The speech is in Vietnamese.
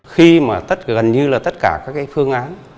khi mà gần như là tất cả các phương án